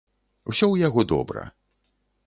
Усё ў яго добра.